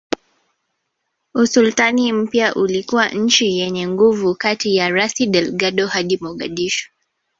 Usultani mpya ulikuwa nchi yenye nguvu kati ya Rasi Delgado hadi Mogadishu